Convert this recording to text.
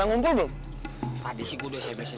aku mau bekerja